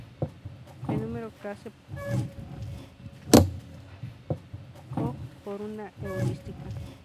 El número K se puede seleccionar manualmente, aleatoriamente, o por una heurística.